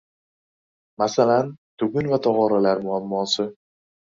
Masalan: tugun va tog‘oralar muammosi.